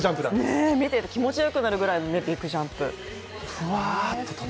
ね、見ていて気持ちよくなるぐらいのビッグジャンプ！